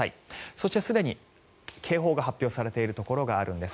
そしてすでに警報が発表されているところがあるんです。